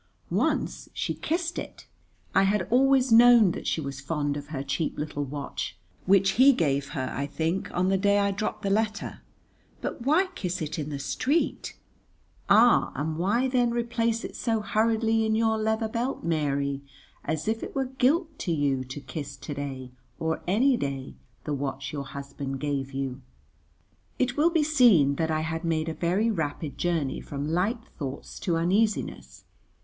Once she kissed it. I had always known that she was fond of her cheap little watch, which he gave her, I think, on the day I dropped the letter, but why kiss it in the street? Ah, and why then replace it so hurriedly in your leather belt, Mary, as if it were guilt to you to kiss to day, or any day, the watch your husband gave you? It will be seen that I had made a very rapid journey from light thoughts to uneasiness.